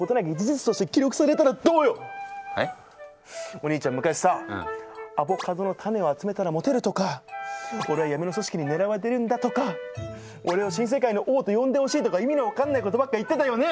お兄ちゃん昔さ「アボカドのタネを集めたらモテる」とか「俺は闇の組織に狙われてるんだ」とか「俺を新世界の王と呼んでほしい」とか意味の分かんないことばっか言ってたよね。